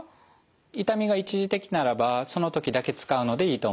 痛みが一時的ならばその時だけ使うのでいいと思います。